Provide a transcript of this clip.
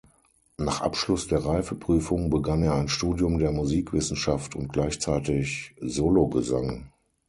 Nach Abschluss der Reifeprüfung begann er ein Studium der Musikwissenschaft und gleichzeitig Sologesang.